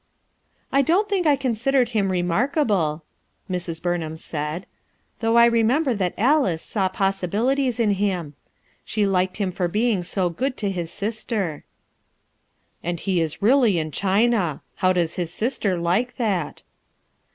"I don't think I considered him remark able," Mrs. Burnham said, "Though I remem ber that Alice saw possibilities in him. She liked him for being so good to his sister." "And he is really in China 1 How does his sister like that?"